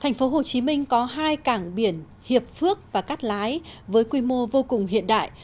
thành phố hồ chí minh có hai cảng biển hiệp phước và cát lái với quy mô vô cùng hiện đại